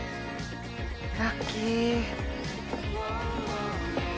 ラッキー。